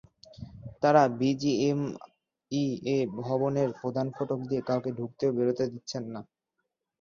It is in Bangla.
তাঁরা বিজিএমইএ ভবনের প্রধান ফটক দিয়ে কাউকে ঢুকতে ও বেরোতে দিচ্ছেন না।